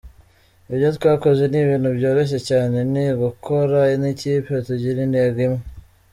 Ibyo twakoze ni ibintu byoroshye cyane, ni ugukora nk’ikipe, tugira intego imwe.